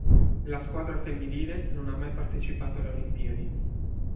La squadra femminile non ha mai partecipato a Olimpiadi.